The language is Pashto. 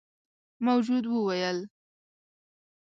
موجود وويل: